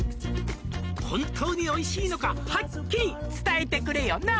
「本当においしいのかハッキリ伝えてくれよな」